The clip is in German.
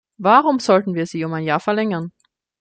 Warum sollten wir sie um ein Jahr verlängern?